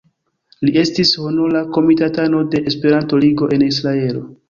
Li estis honora komitatano de Esperanto-Ligo en Israelo.